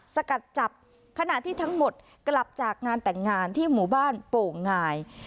สกัดจับขณะที่ทั้งหมดกลับจากงานแต่งงานที่หมู่บ้านโป่งงาย